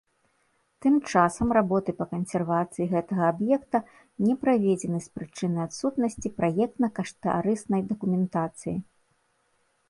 Тым часам работы па кансервацыі гэтага аб'екта не праведзены з прычыны адсутнасці праектна-каштарыснай дакументацыі.